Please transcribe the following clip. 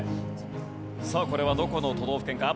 さあこれはどこの都道府県か？